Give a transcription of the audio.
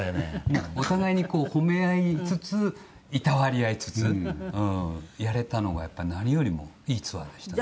お互いに褒め合いつついたわり合いつつやれたのがやっぱ、何よりもいいツアーでしたね。